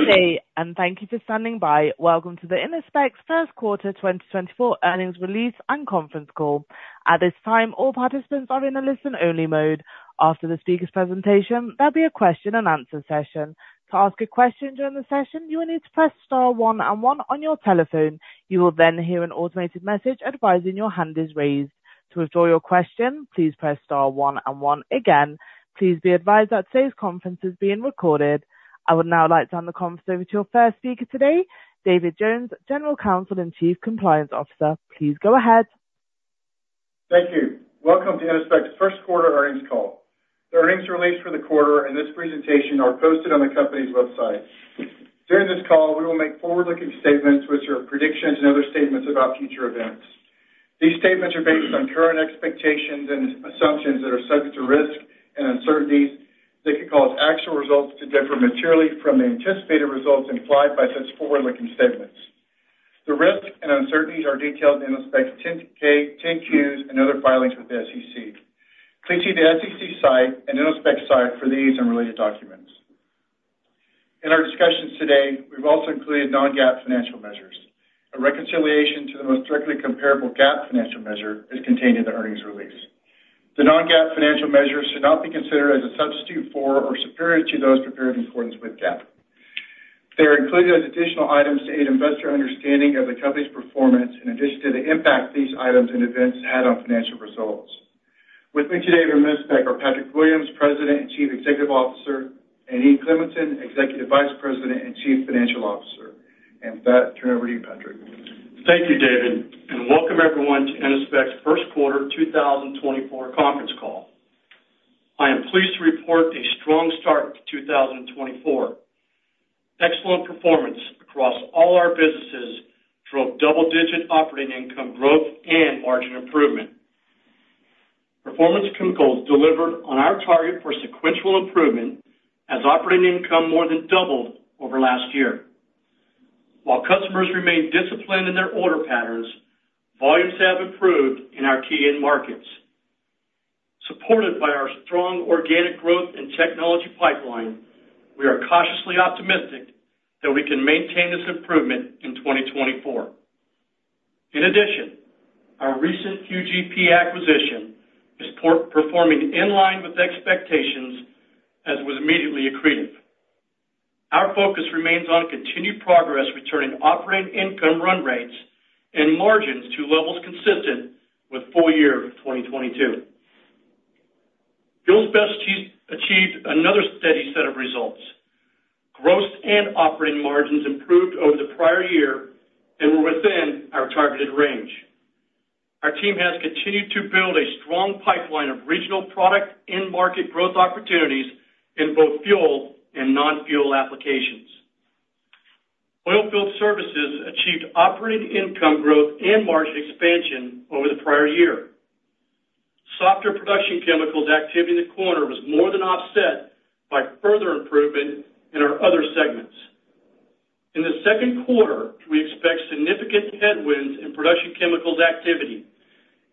Good day, and thank you for standing by. Welcome to Innospec's First Quarter 2024 Earnings Release and Conference Call. At this time, all participants are in a listen-only mode. After the speaker's presentation, there'll be a question-and-answer session. To ask a question during the session, you will need to press star one and one on your telephone. You will then hear an automated message advising your hand is raised. To withdraw your question, please press star one and one again. Please be advised that today's conference is being recorded. I would now like to turn the conference over to your first speaker today, David Jones, General Counsel and Chief Compliance Officer. Please go ahead. Thank you. Welcome to Innospec's First Quarter Earnings Call. The earnings release for the quarter and this presentation are posted on the company's website. During this call, we will make forward-looking statements, which are predictions and other statements about future events. These statements are based on current expectations and assumptions that are subject to risk and uncertainties that could cause actual results to differ materially from the anticipated results implied by such forward-looking statements. The risks and uncertainties are detailed in Innospec's 10-K, 10-Qs, and other filings with the SEC. Please see the SEC site and Innospec's site for these and related documents. In our discussions today, we've also included non-GAAP financial measures. A reconciliation to the most directly comparable GAAP financial measure is contained in the earnings release. The non-GAAP financial measures should not be considered as a substitute for or superior to those prepared in accordance with GAAP. They are included as additional items to aid investor understanding of the company's performance, in addition to the impact these items and events had on financial results. With me today from Innospec are Patrick Williams, President and Chief Executive Officer, and Ian Cleminson, Executive Vice President and Chief Financial Officer. With that, turn it over to you, Patrick. Thank you, David, and welcome everyone to Innospec's First Quarter 2024 conference call. I am pleased to report a strong start to 2024. Excellent performance across all our businesses drove double-digit operating income growth and margin improvement. Performance Chemicals delivered on our target for sequential improvement as operating income more than doubled over last year. While customers remained disciplined in their order patterns, volumes have improved in our key end markets. Supported by our strong organic growth and technology pipeline, we are cautiously optimistic that we can maintain this improvement in 2024. In addition, our recent QGP acquisition is performing in line with expectations, as was immediately accretive. Our focus remains on continued progress, returning operating income run rates and margins to levels consistent with full year of 2022. Fuel Specialties achieved another steady set of results. Gross and operating margins improved over the prior year and were within our targeted range. Our team has continued to build a strong pipeline of regional product end market growth opportunities in both fuel and non-fuel applications. Oilfield Services achieved operating income growth and margin expansion over the prior year. Softer Production Chemicals activity in the quarter was more than offset by further improvement in our other segments. In the second quarter, we expect significant headwinds in Production Chemicals activity,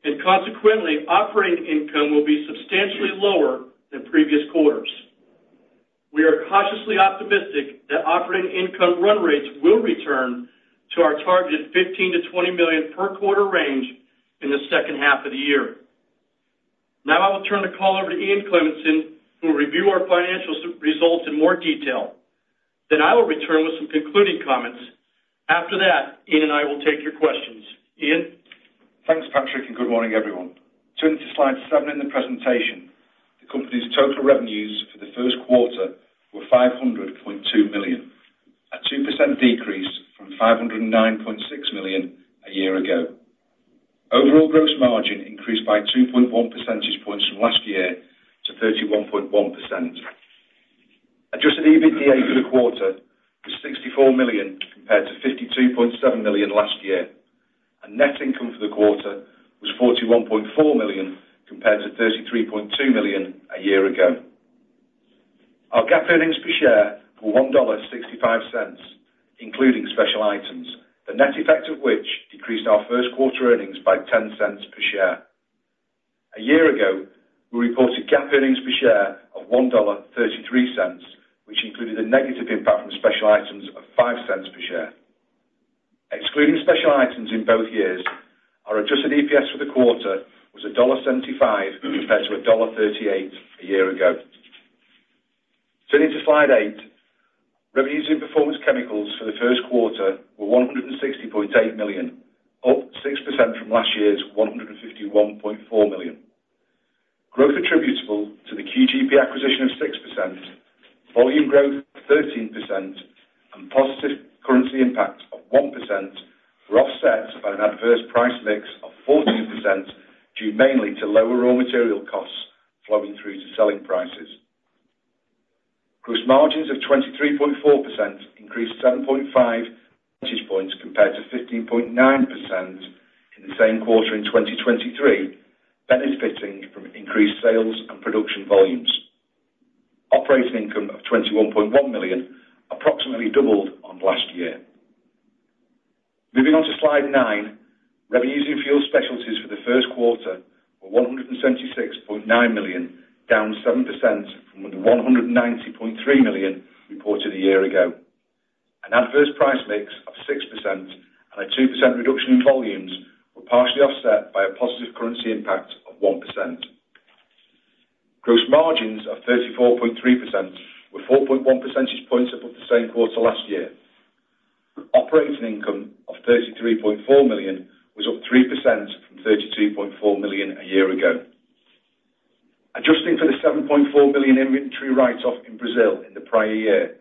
and consequently, operating income will be substantially lower than previous quarters. We are cautiously optimistic that operating income run rates will return to our targeted $15 million-$20 million per quarter range in the second half of the year. Now, I will turn the call over to Ian Cleminson, who will review our financial results in more detail. Then I will return with some concluding comments. After that, Ian and I will take your questions. Ian? Thanks, Patrick, and good morning, everyone. Turning to slide 7 in the presentation, the company's total revenues for the first quarter were $500.2 million, a 2% decrease from $509.6 million a year ago. Overall gross margin increased by 2.1 percentage points from last year to 31.1%. Adjusted EBITDA for the quarter was $64 million compared to $52.7 million last year, and net income for the quarter was $41.4 million, compared to $33.2 million a year ago. Our GAAP earnings per share were $1.65, including special items, the net effect of which decreased our first quarter earnings by $0.10 per share. A year ago, we reported GAAP earnings per share of $1.33, which included a negative impact from special items of $0.05 per share. Excluding special items in both years, our adjusted EPS for the quarter was $1.75, compared to $1.38 a year ago. Turning to slide eight, revenues in Performance Chemicals for the first quarter were $160.8 million, up 6% from last year's $151.4 million. Growth attributable to the QGP acquisition of 6%, volume growth of 13%, and positive currency impact of 1% were offset by an adverse price mix of 14%, due mainly to lower raw material costs flowing through to selling prices. Gross margins of 23.4% increased 7.5 percentage points compared to 15.9% in the same quarter in 2023, benefiting from increased sales and production volumes. Operating income of $21.1 million approximately doubled on last year. Moving on to Slide nine, revenues in Fuel Specialties for the first quarter were $176.9 million, down 7% from the $190.3 million reported a year ago. An adverse price mix of 6% and a 2% reduction in volumes were partially offset by a positive currency impact of 1%. Gross margins of 34.3% were 4.1 percentage points above the same quarter last year. Operating income of $33.4 million was up 3% from $32.4 million a year ago. Adjusting for the $7.4 billion inventory write-off in Brazil in the prior year,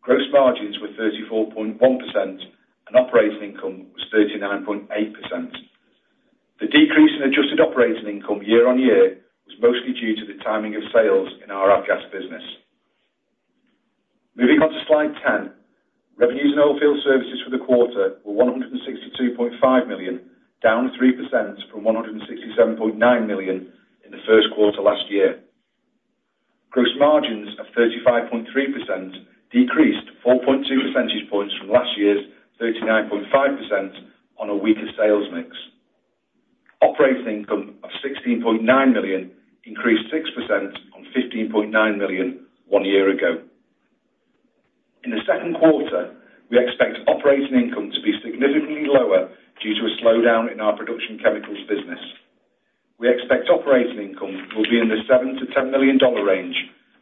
gross margins were 34.1% and operating income was 39.8%. The decrease in adjusted operating income year-on-year was mostly due to the timing of sales in our business. Moving on to Slide ten. Revenues in Oilfield Services for the quarter were $162.5 million, down 3% from $167.9 million in the first quarter last year. Gross margins of 35.3% decreased 4.2 percentage points from last year's 39.5% on a weaker sales mix. Operating income of $16.9 million increased 6% on $15.9 million one year ago. In the second quarter, we expect operating income to be significantly lower due to a slowdown in our production chemicals business. We expect operating income will be in the $7-$10 million range.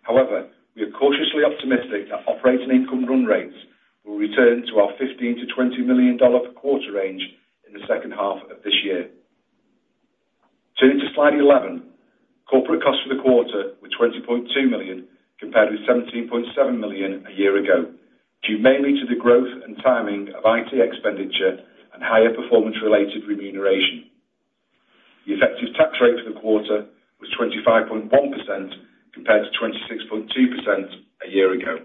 However, we are cautiously optimistic that operating income run rates will return to our $15-$20 million per quarter range in the second half of this year. Turning to slide eleven. Corporate costs for the quarter were $20.2 million, compared with $17.7 million a year ago, due mainly to the growth and timing of IT expenditure and higher performance-related remuneration. The effective tax rate for the quarter was 25.1%, compared to 26.2% a year ago.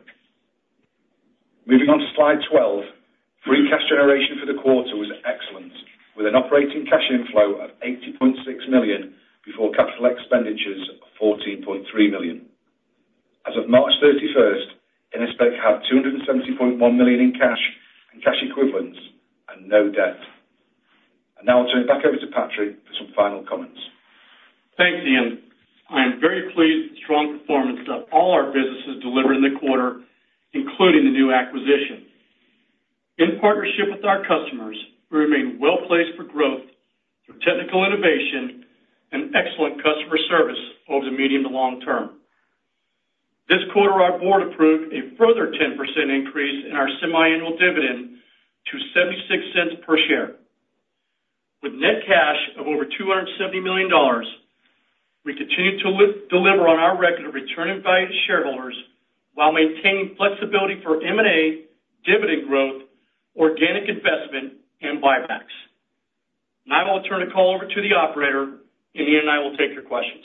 Moving on to slide twelve. Free cash generation for the quarter was excellent, with an operating cash inflow of $80.6 million, before capital expenditures of $14.3 million. As of March 31st, Innospec had $270.1 million in cash and cash equivalents and no debt. Now I'll turn it back over to Patrick for some final comments. Thanks, Ian. I am very pleased with the strong performance that all our businesses delivered in the quarter, including the new acquisition. In partnership with our customers, we remain well placed for growth through technical innovation and excellent customer service over the medium to long term. This quarter, our board approved a further 10% increase in our semiannual dividend to $0.76 per share. With net cash of over $270 million, we continue to deliver on our record of returning value to shareholders, while maintaining flexibility for M&A, dividend growth, organic investment, and buybacks. Now, I'll turn the call over to the operator, and Ian and I will take your questions.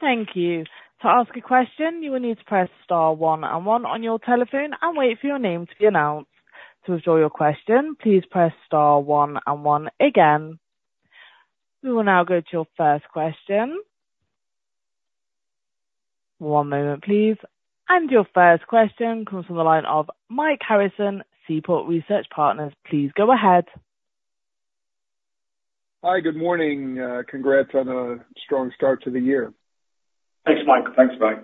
Thank you. To ask a question, you will need to press star one and one on your telephone and wait for your name to be announced. To withdraw your question, please press star one and one again. We will now go to your first question. One moment, please. Your first question comes from the line of Mike Harrison, Seaport Research Partners. Please go ahead. Hi, good morning. Congrats on a strong start to the year. Thanks, Mike. Thanks, Mike.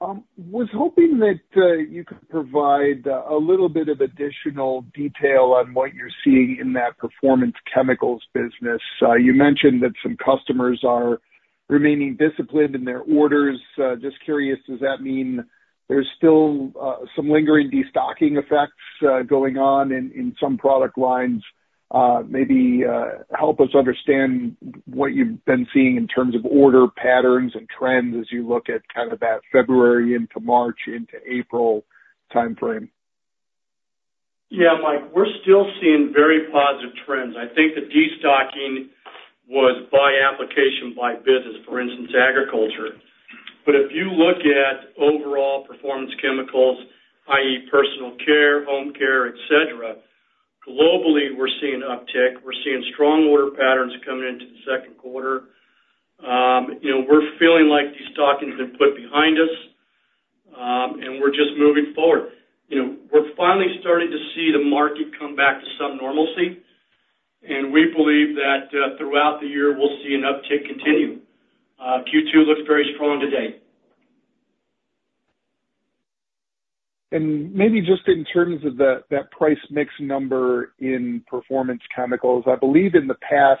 Was hoping that you could provide a little bit of additional detail on what you're seeing in that Performance Chemicals business. You mentioned that some customers are remaining disciplined in their orders. Just curious, does that mean there's still some lingering destocking effects going on in some product lines? Maybe help us understand what you've been seeing in terms of order patterns and trends as you look at kind of that February into March into April timeframe. Yeah, Mike, we're still seeing very positive trends. I think the destocking was by application, by business, for instance, agriculture. But if you look at overall performance chemicals, i.e., personal care, home care, et cetera, globally, we're seeing an uptick. We're seeing strong order patterns coming into the second quarter. You know, we're feeling like destocking has been put behind us, and we're just moving forward. You know, we're finally starting to see the market come back to some normalcy, and we believe that, throughout the year, we'll see an uptick continue. Q2 looks very strong to date. Maybe just in terms of that price mix number in Performance Chemicals, I believe in the past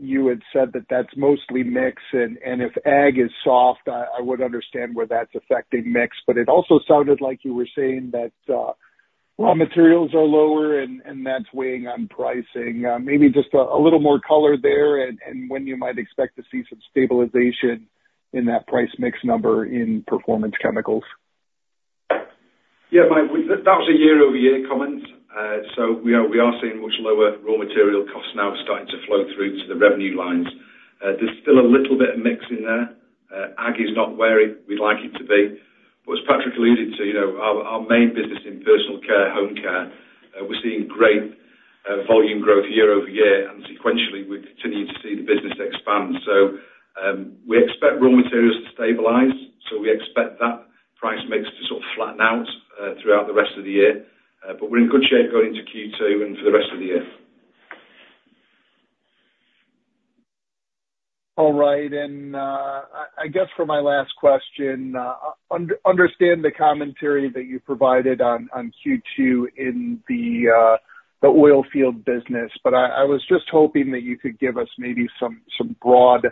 you had said that that's mostly mix, and if ag is soft, I would understand where that's affecting mix. But it also sounded like you were saying that raw materials are lower and that's weighing on pricing. Maybe just a little more color there and when you might expect to see some stabilization in that price mix number in Performance Chemicals. Yeah, Mike, that was a year-over-year comment. So we are seeing much lower raw material costs now starting to flow through to the revenue lines. There's still a little bit of mix in there. Ag is not where we'd like it to be. But as Patrick alluded to, you know, our main business in personal care, home care, we're seeing great volume growth year over year, and sequentially, we continue to see the business expand. So we expect raw materials to stabilize, so we expect that price mix to sort of flatten out throughout the rest of the year. But we're in good shape going into Q2 and for the rest of the year. All right. And, I guess for my last question, understand the commentary that you provided on Q2 in the oilfield business, but I was just hoping that you could give us maybe some broad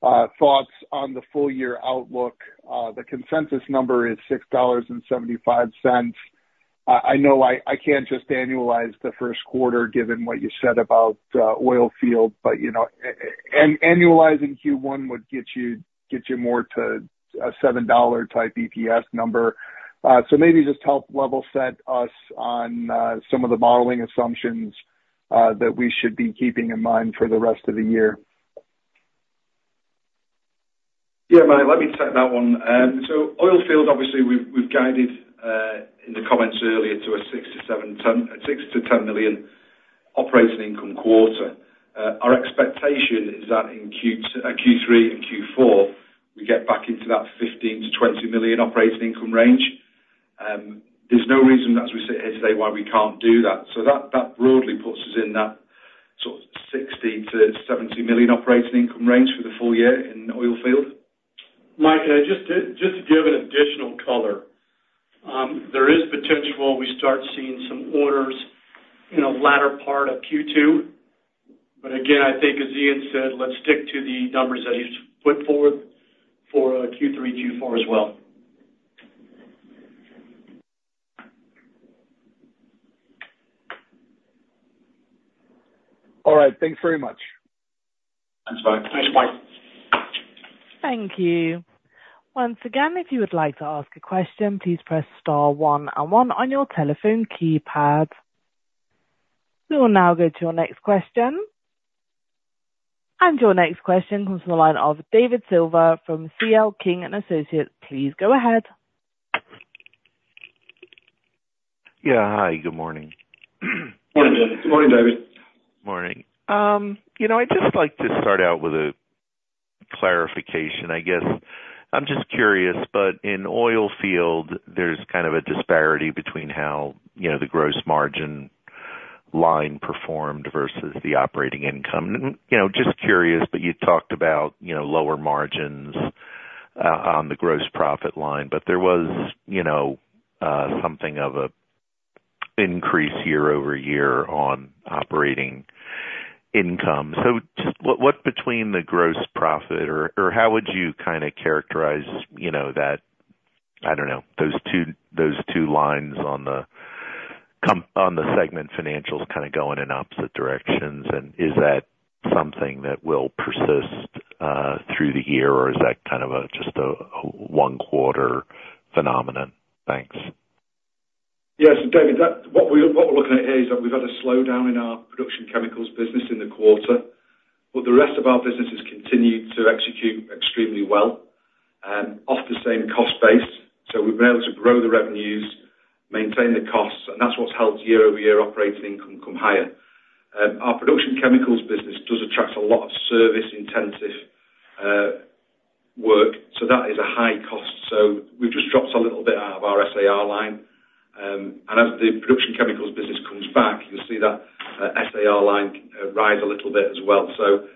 thoughts on the full year outlook. The consensus number is $6.75. I know I can't just annualize the first quarter, given what you said about oilfield, but, you know, annualizing Q1 would get you more to a $7 type EPS number. So maybe just help level set us on some of the modeling assumptions that we should be keeping in mind for the rest of the year. Yeah, Mike, let me take that one. So oilfield, obviously, we've, we've guided in the comments earlier to a $6 million-$10 million operating income quarter. Our expectation is that in Q2, Q3 and Q4, we get back into that $15 million-$20 million operating income range. There's no reason as we sit here today, why we can't do that. So that, that broadly puts us in that sort of $60 million-$70 million operating income range for the full year in oilfield. Mike, can I just to give an additional color, there is potential we start seeing some orders in the latter part of Q2, but again, I think as Ian said, let's stick to the numbers that he's put forward for Q3, Q4 as well. All right. Thanks very much. Thanks, Mike. Thanks, Mike. Thank you. Once again, if you would like to ask a question, please press star one and one on your telephone keypad. We will now go to our next question. Your next question comes from the line of David Silver from CL King & Associates. Please go ahead. Yeah. Hi, good morning. Morning, David. Morning, David. Morning. You know, I'd just like to start out with a clarification, I guess. I'm just curious, but in oilfield, there's kind of a disparity between how, you know, the gross margin line performed versus the operating income. You know, just curious, but you talked about, you know, lower margins on the gross profit line, but there was, you know, something of a increase year-over-year on operating income. So just what, what between the gross profit or, or how would you kind of characterize, you know, that, I don't know, those two, those two lines on the com- on the segment financials kind of going in opposite directions, and is that something that will persist through the year, or is that kind of a, just a one quarter phenomenon? Thanks. Yes, David, what we're looking at here is that we've had a slowdown in our production chemicals business in the quarter, but the rest of our businesses continue to execute extremely well and off the same cost base. So we've been able to grow the revenues, maintain the costs, and that's what's helped year-over-year operating income come higher. Our production chemicals business does attract a lot of service-intensive work, so that is a high cost. So we've just dropped a little bit out of our SAR line. And as the production chemicals business comes back, you'll see that SAR line rise a little bit as well. So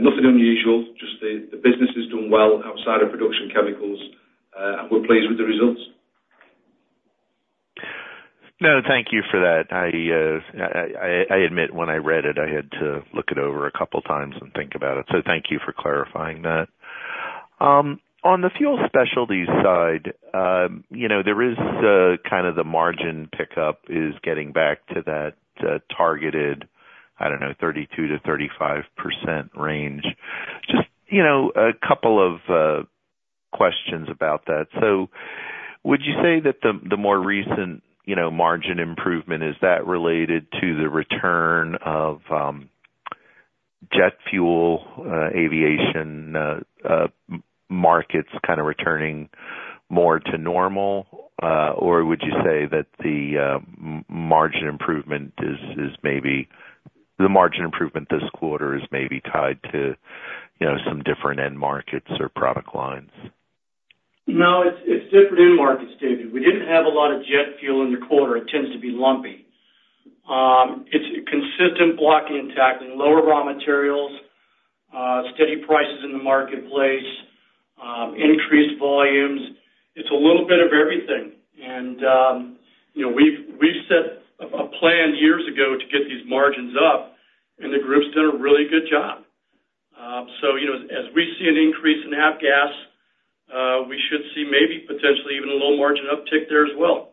nothing unusual, just the business has done well outside of production chemicals, and we're pleased with the results. No, thank you for that. I admit, when I read it, I had to look it over a couple times and think about it, so thank you for clarifying that. On the Fuel Specialties side, you know, there is kind of the margin pickup is getting back to that targeted, I don't know, 32%-35% range. Just, you know, a couple of questions about that. So would you say that the more recent, you know, margin improvement, is that related to the return of jet fuel aviation markets kind of returning more to normal? Or would you say that the margin improvement is maybe the margin improvement this quarter is maybe tied to, you know, some different end markets or product lines? No, it's different end markets, David. We didn't have a lot of jet fuel in the quarter. It tends to be lumpy. It's consistent blocking and tackling, lower raw materials, steady prices in the marketplace, increased volumes. It's a little bit of everything. And, you know, we've set a plan years ago to get these margins up, and the group's done a really good job. So, you know, as we see an increase in avgas, we should see maybe potentially even a little margin uptick there as well.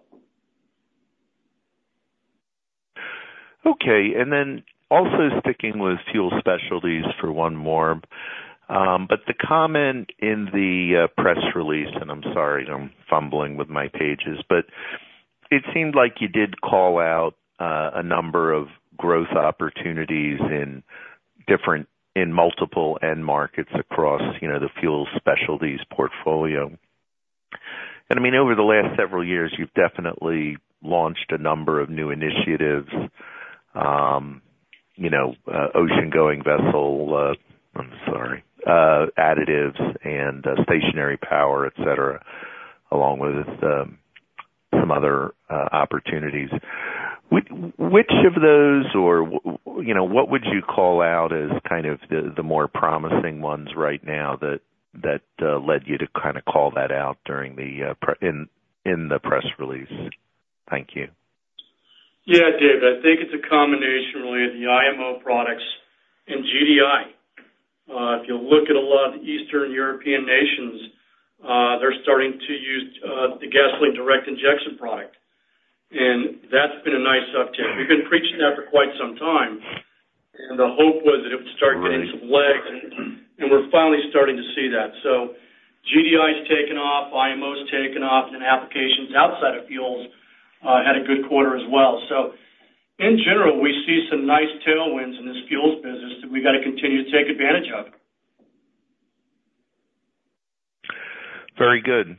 Okay, and then also sticking with Fuel Specialties for one more. But the comment in the press release, and I'm sorry, I'm fumbling with my pages, but it seemed like you did call out a number of growth opportunities in different, in multiple end markets across, you know, the Fuel Specialties portfolio. And I mean, over the last several years, you've definitely launched a number of new initiatives, you know, ocean-going vessel, I'm sorry, additives and stationary power, et cetera, along with some other opportunities. Which of those or, you know, what would you call out as kind of the more promising ones right now, that led you to kind of call that out during the press release? Thank you. Yeah, David, I think it's a combination, really, of the IMO products and GDI. If you look at a lot of the Eastern European nations, they're starting to use the gasoline direct injection product, and that's been a nice uptick. We've been preaching that for quite some time, and the hope was that it would start getting some legs, and we're finally starting to see that. So GDI's taken off, IMO's taken off, and applications outside of fuels had a good quarter as well. So in general, we see some nice tailwinds in this fuels business that we've got to continue to take advantage of. Very good.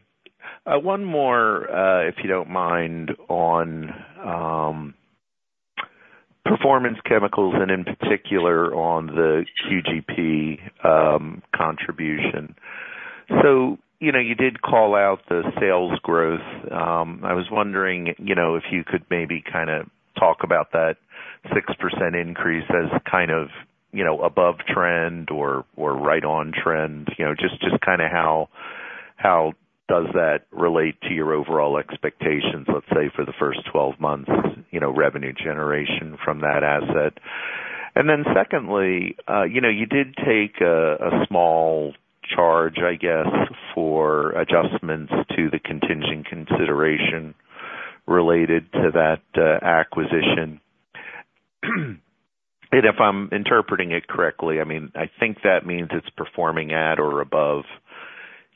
One more, if you don't mind, on performance chemicals and in particular on the QGP contribution. So, you know, you did call out the sales growth. I was wondering, you know, if you could maybe kind of talk about that 6% increase as kind of, you know, above trend or right on trend. You know, just kind of how does that relate to your overall expectations, let's say, for the first 12 months, you know, revenue generation from that asset? And then secondly, you know, you did take a small charge, I guess, for adjustments to the contingent consideration related to that acquisition. And if I'm interpreting it correctly, I mean, I think that means it's performing at or above,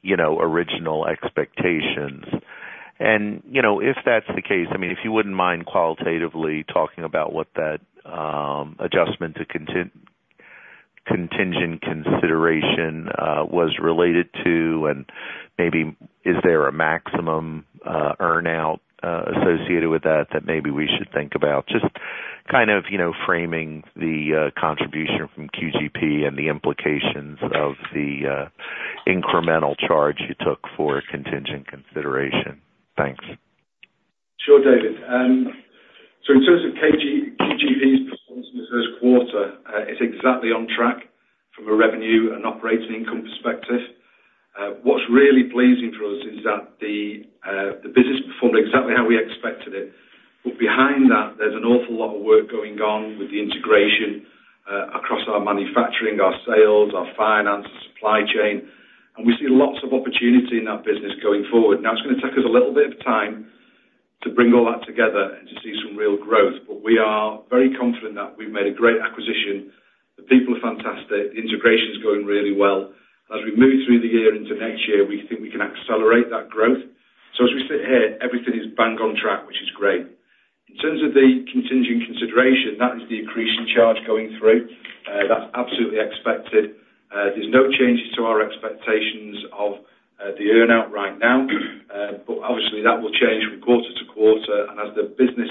you know, original expectations. You know, if that's the case, I mean, if you wouldn't mind qualitatively talking about what that, adjustment to contingent consideration, was related to, and maybe is there a maximum, earn-out, associated with that, that maybe we should think about? Just kind of, you know, framing the, contribution from QGP and the implications of the, incremental charge you took for a contingent consideration. Thanks. Sure, David. So in terms of QGP's performance in the first quarter, it's exactly on track from a revenue and operating income perspective. What's really pleasing for us is that the business performed exactly how we expected it, but behind that, there's an awful lot of work going on with the integration across our manufacturing, our sales, our finance, supply chain, and we see lots of opportunity in that business going forward. Now, it's gonna take us a little bit of time to bring all that together and to see some real growth, but we are very confident that we've made a great acquisition. The people are fantastic. The integration's going really well. As we move through the year into next year, we think we can accelerate that growth. So as we sit here, everything is bang on track, which is great. In terms of the contingent consideration, that is the accretion charge going through. That's absolutely expected. There's no changes to our expectations of the earn-out right now, but obviously, that will change from quarter to quarter. And as the business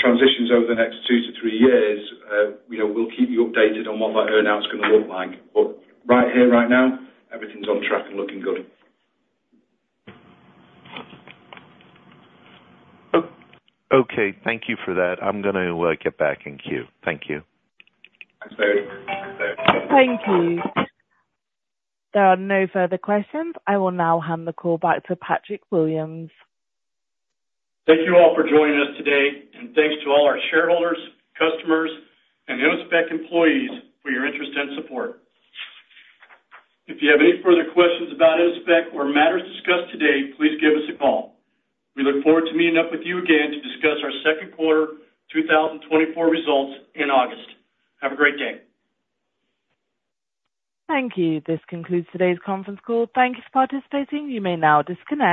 transitions over the next 2-3 years, you know, we'll keep you updated on what that earn-out's gonna look like. But right here, right now, everything's on track and looking good. Okay, thank you for that. I'm gonna get back in queue. Thank you. Thanks, David. Thank you. There are no further questions. I will now hand the call back to Patrick Williams. Thank you all for joining us today, and thanks to all our shareholders, customers, and Innospec employees for your interest and support. If you have any further questions about Innospec or matters discussed today, please give us a call. We look forward to meeting up with you again to discuss our second quarter 2024 results in August. Have a great day. Thank you. This concludes today's conference call. Thank you for participating. You may now disconnect.